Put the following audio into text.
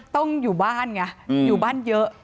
ต้องอยู่บ้านไงอยู่บ้านเยอะ